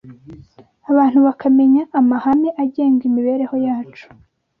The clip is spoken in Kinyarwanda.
abantu bakamenya amahame agenga imibereho yacu